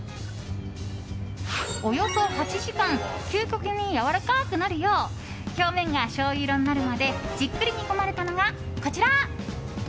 およそ８時間究極にやわらかくなるよう表面がしょうゆ色になるまでじっくり煮込まれたのがこちら。